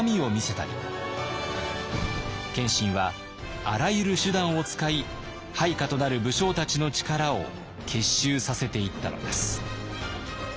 謙信はあらゆる手段を使い配下となる武将たちの力を結集させていったのです。